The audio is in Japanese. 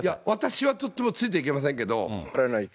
私はとってもついていけませんけど。